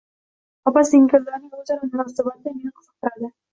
Opa-singillarning o`zaro munosabati meni qiziqtirardi